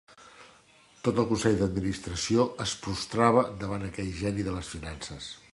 Tot el consell d'administració es prostrava davant aquell geni de les finances.